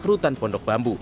pihak rutan pondok bambu